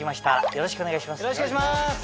よろしくお願いします。